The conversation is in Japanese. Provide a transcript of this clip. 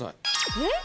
えっ？